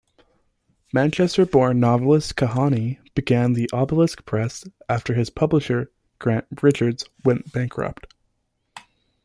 Manchester-born novelist Kahane began the Obelisk Press after his publisher, Grant Richards, went bankrupt.